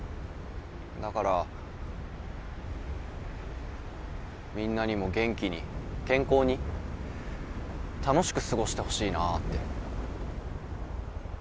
だからみんなにも元気に健康に楽しく過ごしてほしいなって。